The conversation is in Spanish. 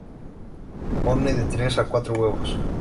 Pone de tres a cuatro huevos.